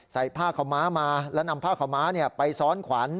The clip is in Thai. ผ้าขาวม้ามาแล้วนำผ้าขาวม้าไปซ้อนขวัญ